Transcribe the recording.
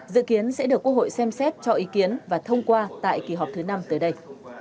dự kiến sẽ được quốc hội xem xét cho ý kiến và thông qua tại kỳ họp thứ năm tới đây